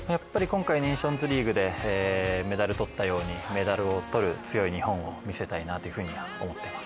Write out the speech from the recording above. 今回ネーションズリーグでメダルを取ったようにメダルを取る強い日本を見せたいなと思います。